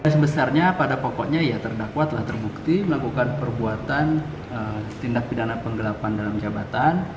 sebesarnya pada pokoknya ya terdakwa telah terbukti melakukan perbuatan tindak pidana penggelapan dalam jabatan